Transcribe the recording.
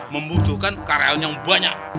membutuhkan karyawan yang banyak